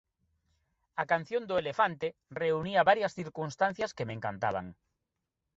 "A canción do elefante" reunía varias circunstancias que me encantaban.